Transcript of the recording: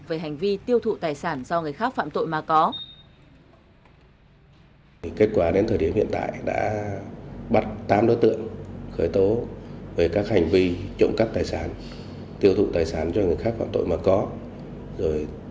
về hành vi tiêu thụ tài sản do người khác phạm tội mà có